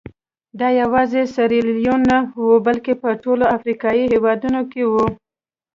دا یوازې سیریلیون نه وو بلکې په ټولو افریقایي هېوادونو کې وو.